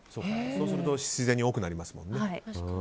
そうすると自然に多くなりますもんね。